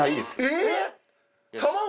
えっ？